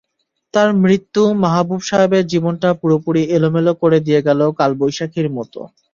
তার মৃত্যু মাহবুব সাহেবের জীবনটা পুরোপুরি এলোমেলো করে দিয়ে গেল কালবৈশাখীর মতো।